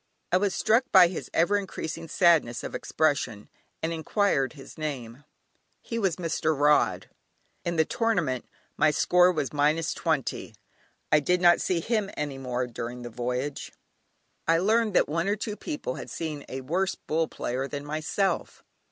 I was struck by his ever increasing sadness of expression, and enquired his name. He was Mr. Rod. In the tournament my score was minus twenty; I did not see him any more during the voyage! I learned that one or two people had seen a worse "Bull" player than myself.